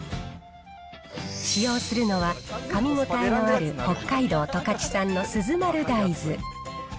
使用するのはかみ応えのある北海道十勝産のスズマル大豆。